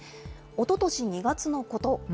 おととし２月のこと。